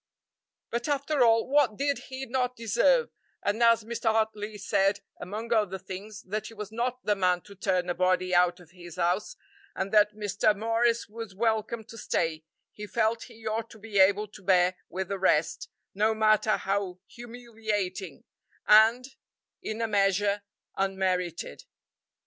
But, after all, what did he not deserve, and as Mr. Hartley said, among other things, that he was not the man to turn a body out of his house, and that Mr. Morris was welcome to stay, he felt he ought to be able to bear with the rest, no matter how humiliating and, in a measure, unmerited.